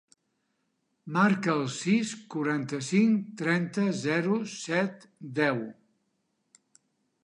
Marca el sis, quaranta-cinc, trenta, zero, set, deu.